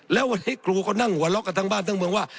แล้ววันนี้ครูก็นั่งหัวเราะกันทั้งบ้านทั้งเมืองว่า